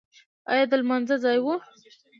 ایا د لمانځه ځای و؟